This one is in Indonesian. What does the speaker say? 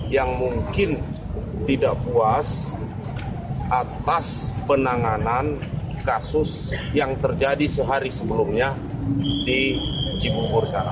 yang mungkin tidak puas atas penanganan kasus yang terjadi sehari sebelumnya di cibubur